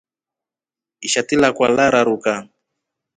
Ishati lakwa laranduka.